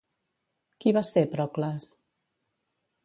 Qui va ser Procles?